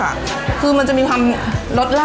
ดีสุดแล้วเห็นไหมพี่ป้อง